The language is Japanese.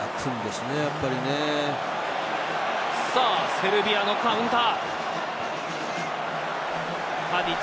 セルビアのカウンター。